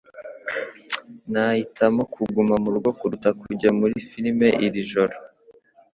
Nahitamo kuguma murugo kuruta kujya muri firime iri joro.